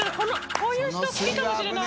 こういう人好きかもしれない。